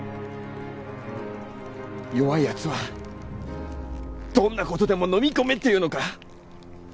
弱いやつはどんなことでものみ込めっていうのか？